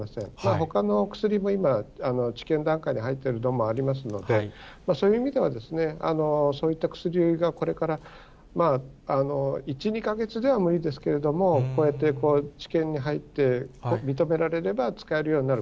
ほかの薬も今、治験段階に入っているのもありますので、そういう意味では、そういった薬がこれから１、２か月では無理ですけれども、こうやって治験に入って認められれば、使えるようになる。